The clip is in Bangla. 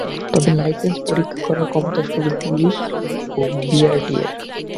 তবে লাইসেন্স পরীক্ষা করার ক্ষমতা শুধু পুলিশ ও বিআরটিএর।